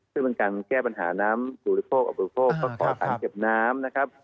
เรื่องการแก้ปัญหาน้ำถูกอุปกรณ์อับอุปกรณ์อาจขอบรรยากาศเก็บน้ำ